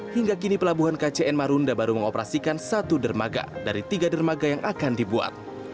hingga kini pelabuhan kcn marunda baru mengoperasikan satu dermaga dari tiga dermaga yang akan dibuat